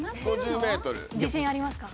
自信ありますか？